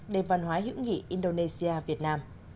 đề văn hóa hữu nghị indonesia việt nam